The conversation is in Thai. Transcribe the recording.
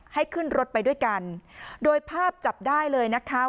ให้ขึ้นรถไปด้วยกันโดยภาพจับได้เลยนะคะ